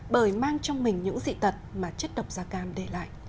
bởi mang trong mình những dị tật mà chất độc da cam để lại